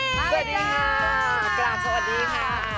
สวัสดีค่ะ